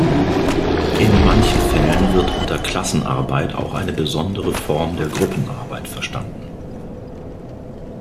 In manchen Fällen wird unter Klassenarbeit auch eine besondere Form der Gruppenarbeit verstanden.